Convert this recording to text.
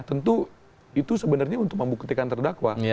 tentu itu sebenarnya untuk membuktikan terdakwa